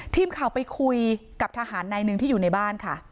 ทีมเขาไปคุยกับทหารในนึงที่อยู่ในบ้านค่ะ